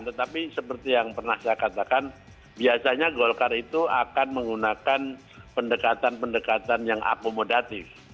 tetapi seperti yang pernah saya katakan biasanya golkar itu akan menggunakan pendekatan pendekatan yang akomodatif